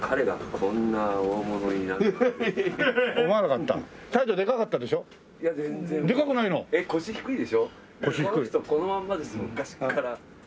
この人このまんまです昔から。